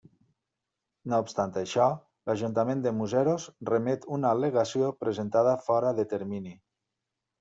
No obstant això, l'Ajuntament de Museros remet una al·legació presentada fora de termini.